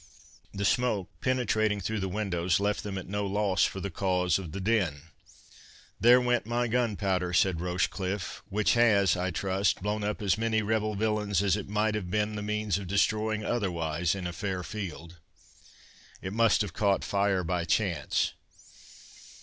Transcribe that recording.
The smoke, penetrating through the windows, left them at no loss for the cause of the din. "There went my gunpowder," said Rochecliffe, "which has, I trust, blown up as many rebel villains as it might have been the means of destroying otherwise in a fair field. It must have caught fire by chance."